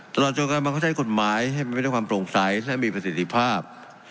ตลอดจนการบังคับใช้กฎหมายให้มันไปด้วยความโปร่งใสและมีประสิทธิภาพ